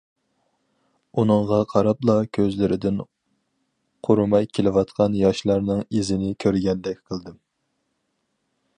ئۇنىڭغا قاراپلا كۆزلىرىدىن قۇرۇماي كېلىۋاتقان ياشلارنىڭ ئىزىنى كۆرگەندەك قىلدىم.